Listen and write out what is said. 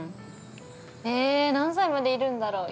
◆何歳までいるんだろう。